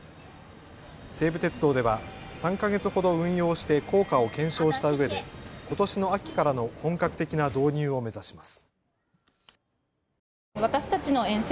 西武鉄道では３か月ほど運用して効果を検証したうえでことしの秋からの本格的な導入を目指します。